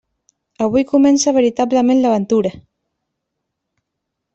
Avui comença veritablement l'aventura.